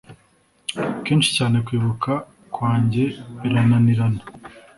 kenshi cyane kwibuka kwanjye birananirana,